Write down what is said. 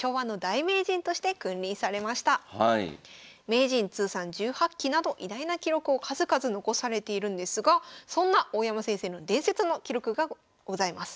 名人通算１８期など偉大な記録を数々残されているんですがそんな大山先生の伝説の記録がございます。